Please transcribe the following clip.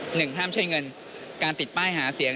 หนึ่งห้ามใช้เงินการติดป้ายหาเสียง